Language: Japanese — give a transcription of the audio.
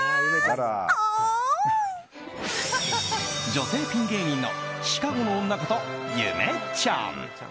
女性ピン芸人のシカゴの女こと、ゆめちゃん。